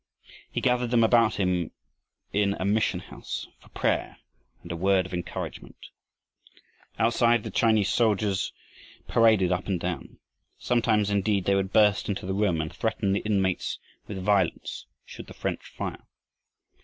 He gathered them about him in a mission house for prayer and a word of encouragement. Outside the Chinese soldiers paraded up and down. Sometimes indeed they would burst into the room and threaten the inmates with violence should the French fire.